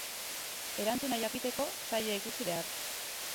Erantzuna jakiteko, saioa ikusi behar.